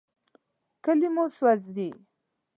کلي مو سوځي.